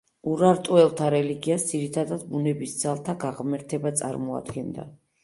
ურარტუელთა რელიგიას, ძირითადად, ბუნების ძალთა გაღმერთება წარმოადგენდა.